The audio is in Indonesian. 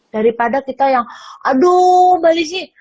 daripada kita yang aduh mbak lizzie